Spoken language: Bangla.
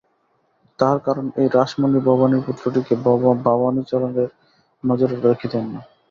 তাহার কারণ এই, রাসমণি ভবানীর পুত্রটিকে ভবানীচরণের নজরে দেখিতেন না।